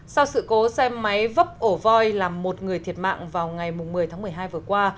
sau sự cố xe máy vấp ổ voi làm một người thiệt mạng vào ngày một mươi tháng một mươi hai vừa qua